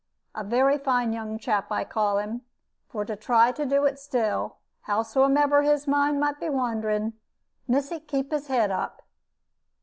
A very fine young chap I call him, for to try to do it still, howsomever his mind might be wandering. Missy, keep his head up."